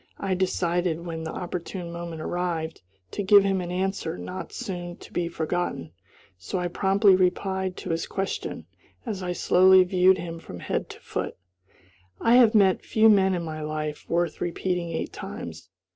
I decided, when the opportune moment arrived, to give him an answer not soon to be forgotten; so I promptly replied to his question, as I slowly viewed him from head to foot, "I have met few men, in my life, worth repeating eight times."